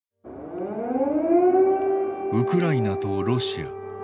ウクライナとロシア。